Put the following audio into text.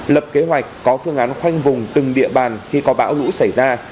lập kế hoạch có phương án khoanh vùng từng địa bàn khi có bão lũ xảy ra